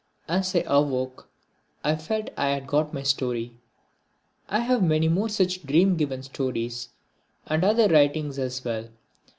As I awoke I felt I had got my story. I have many more such dream given stories and other writings as well.